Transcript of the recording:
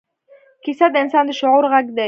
کیسه د انسان د شعور غږ دی.